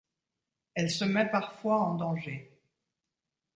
Elle se met parfois en danger.